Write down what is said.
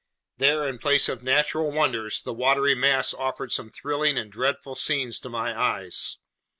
There, in place of natural wonders, the watery mass offered some thrilling and dreadful scenes to my eyes.